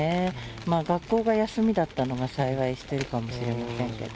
まあ学校が休みだったのがさいわいしてるかもしれませんけど。